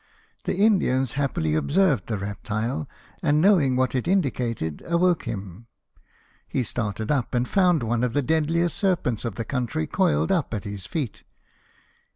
The Indians happily observed the reptile, and knowing what it indicated, awoke him. He started up, and found one of the deadliest serpents of the country coiled up at his feet.